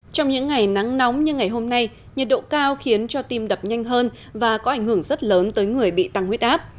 trong những ngày nắng nóng như ngày hôm nay nhiệt độ cao khiến cho tim đập nhanh hơn và có ảnh hưởng rất lớn tới người bị tăng huyết áp